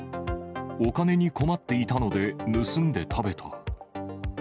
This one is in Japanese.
お金に困っていたので、盗んで食べた。